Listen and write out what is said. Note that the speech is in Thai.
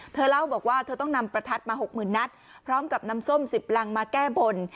เธอเล่าบอกว่าเธอต้องนำประทัดมา๖๐๐๐นัดพร้อมกับน้ำส้ม๑๐รังมาแก้บน